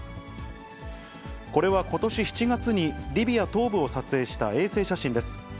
これはことし７月にリビア東部を撮影した衛星写真です。